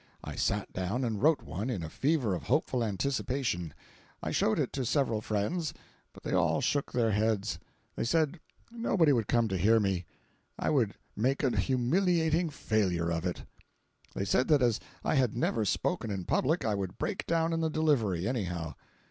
I sat down and wrote one, in a fever of hopeful anticipation. I showed it to several friends, but they all shook their heads. They said nobody would come to hear me, and I would make a humiliating failure of it. They said that as I had never spoken in public, I would break down in the delivery, anyhow.